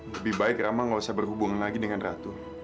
lebih baik rama nggak usah berhubungan lagi dengan ratu